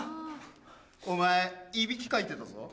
お前いびきかいてたぞ。